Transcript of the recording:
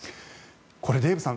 これ、デーブさん